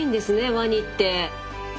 ワニって。